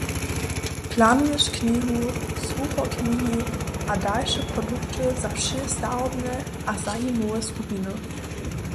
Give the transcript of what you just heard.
Planuješ knihi, słuchoknihi a dalše produkty za wšě starobne a zajimowe skupiny.